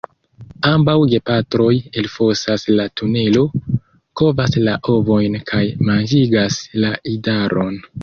Ambaŭ gepatroj elfosas la tunelo, kovas la ovojn kaj manĝigas la idaron.